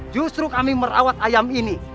justru kami merawat ayam ini